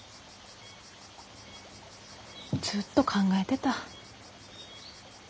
ずっと考えてた。